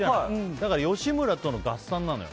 だから吉村との合算なのよ。